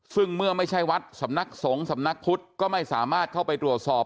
ซึ่งเมื่อไม่ใช่วัดสำนักสงฆ์สำนักพุทธก็ไม่สามารถเข้าไปตรวจสอบ